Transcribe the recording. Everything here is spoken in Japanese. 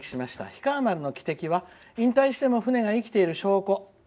「氷川丸」の汽笛は引退しても船が生きている証拠。